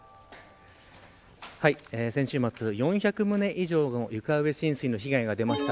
先週末、４００棟以上の床上浸水の被害が出ました。